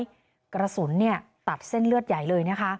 ปลอกกระสุนตัดเส้นเลือดใหญ่เลย